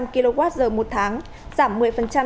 hai trăm linh kwh một tháng giảm